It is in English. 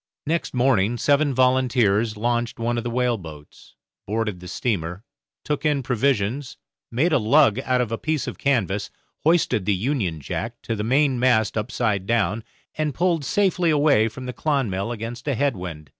Next morning seven volunteers launched one of the whaleboats, boarded the steamer, took in provisions, made a lug out of a piece of canvas, hoisted the Union Jack to the mainmast upside down, and pulled safely away from the 'Clonmel' against a head wind.